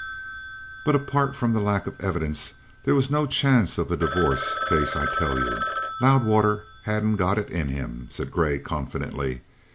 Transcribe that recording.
"But apart from the lack of evidence, there was no chance of a divorce case. I tell you, Loudwater hadn't got it in him," said Grey confidently.